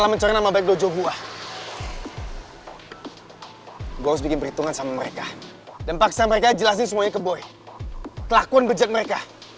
hmm kamu itu selalu baik